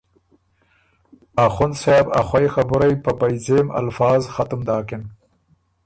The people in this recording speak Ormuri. اخوند صېب ا خوئ خبُرئ په پئ ځېم الفاظ ختم داکِن:ـ